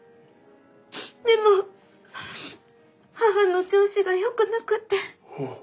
でも母の調子がよくなくて。